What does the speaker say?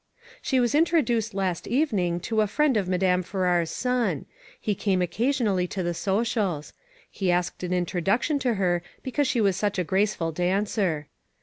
She was introduced last evening to a friend of Madame Farrar's son. He came occasionally to the socials. He asked an in troduction to her because she was such a graceful danc"er.